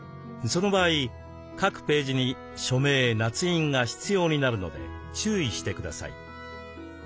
その場合各ページに署名なつ印が必要になるので注意してください。